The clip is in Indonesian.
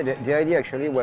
ide sebenarnya adalah